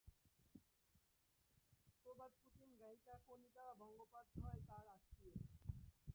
প্রবাদপ্রতিম গায়িকা কণিকা বন্দ্যোপাধ্যায় তাঁর আত্মীয়।